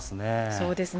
そうですね。